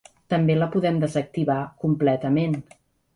També la podem desactivar completament.